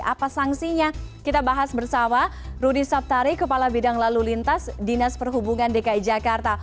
apa sanksinya kita bahas bersama rudi saptari kepala bidang lalu lintas dinas perhubungan dki jakarta